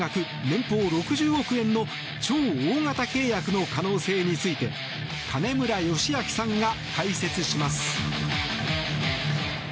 年俸６０億円の超大型契約の可能性について金村義明さんが解説します。